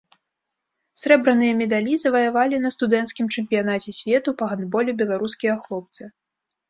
Срэбраныя медалі заваявалі на студэнцкім чэмпіянаце свету па гандболе беларускія хлопцы.